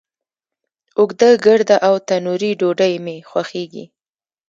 اوږده، ګرده، او تنوری ډوډۍ می خوښیږی